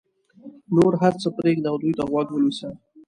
نو هر څه پرېږده او دوی ته غوږ ونیسه.